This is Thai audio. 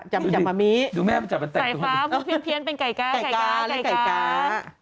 จำมามีสายฟ้าเพียงเป็นไก่ก๊าไก่ก๊าและไก่ก๊า